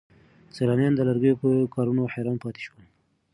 سیلانیان د لرګیو په کارونو حیران پاتې شول.